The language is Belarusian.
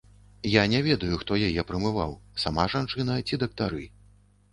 Я не ведаю, хто яе прамываў, сама жанчына ці дактары.